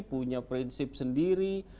punya prinsip sendiri